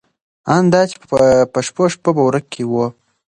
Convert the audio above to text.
ان دا چې په شپو شپو به ورک و.